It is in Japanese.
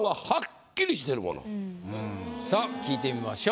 さあ聞いてみましょう。